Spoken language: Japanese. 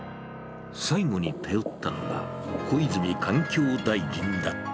最後に頼ったのが、小泉環境大臣だった。